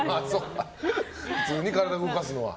普通に体を動かすのは。